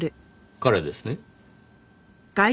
彼ですね。